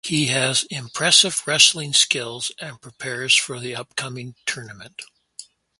He has impressive wrestling skills and prepares for the upcoming tournament.